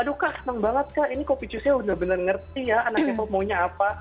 aduh kak seneng banget kak ini kopi chuseo udah bener bener ngerti ya anak k pop maunya apa